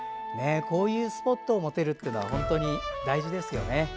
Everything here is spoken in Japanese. こういうスポットを持てるのは本当に大事ですよね。